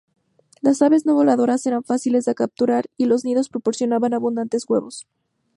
Las aves no voladoras eran fáciles de capturar y los nidos proporcionaban abundantes huevos.